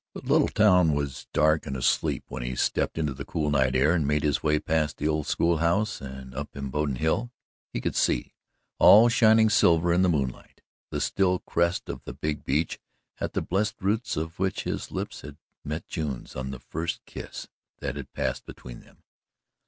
The little town was dark and asleep when he stepped into the cool night air and made his way past the old school house and up Imboden Hill. He could see all shining silver in the moonlight the still crest of the big beech at the blessed roots of which his lips had met June's in the first kiss that had passed between them.